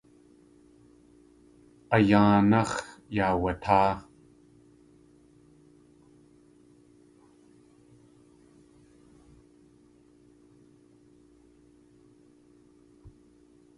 A yáanáx̲ yaawatáa.